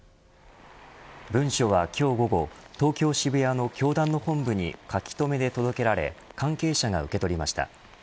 文書は今日午後東京、渋谷の教団の本部に、書留で届けられ関係者が受け取りました。